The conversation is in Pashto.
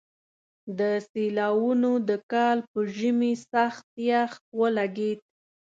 د سېلاوونو د کال په ژمي سخت يخ ولګېد.